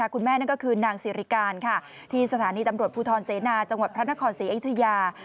นั่นก็คือนางสิริการที่สถานีตำรวจภูทรเสนาจังหวัดพระนครศรีอยุธยา